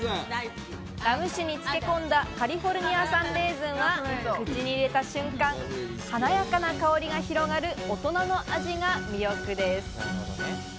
ラム酒につけ込んだカリフォルニア産レーズンは、口に入れた瞬間、華やかな香りが広がる大人の味が魅力です。